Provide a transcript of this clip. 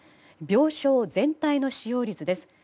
病床全体の使用率です。